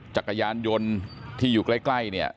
จักรยานยนต์ที่อยู่ใกล้เนี่ย